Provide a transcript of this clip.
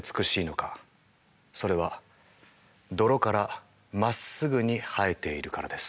それは泥からまっすぐに生えているからです。